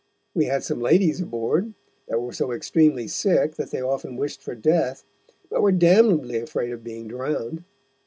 We had some Ladies aboard, that were so extremely sick, that they often wished for Death, but were damnably afraid of being drown'd.